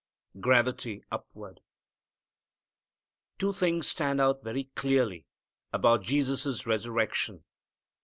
_ Gravity Upward. Two things stand out very clearly about Jesus' resurrection.